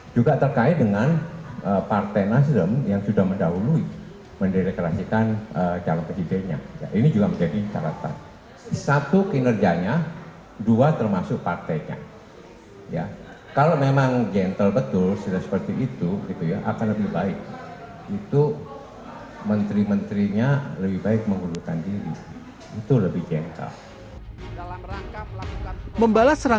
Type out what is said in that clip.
jokowi dodo tidak menampik akan berlaku reshuffle